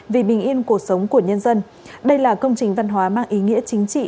vì bình yên cuộc sống của nhân dân đây là công trình văn hóa mang ý nghĩa chính trị